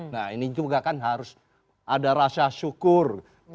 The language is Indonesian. nah ini juga kan harus ada rasa syukur